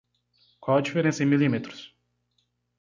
Qual a diferença em milímetros?